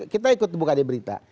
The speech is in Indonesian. kita ikut terbuka di berita